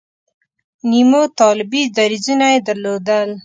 نیمو طالبي دریځونه یې درلودل.